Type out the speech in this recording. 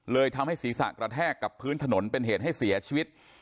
ทำให้ศีรษะกระแทกกับพื้นถนนเป็นเหตุให้เสียชีวิต